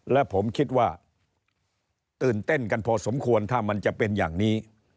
และผมคิดว่าตื่นเต้นกันพอสมควรถ้ามันจะเป็นอย่างนี้